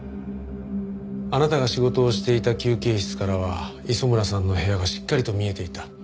あなたが仕事をしていた休憩室からは磯村さんの部屋がしっかりと見えていた。